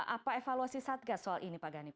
apa evaluasi satgas soal ini pak ganip